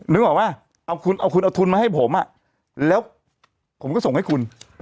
นึกออกป่ะเอาคุณเอาทุนมาให้ผมแล้วผมก็ส่งให้คุณ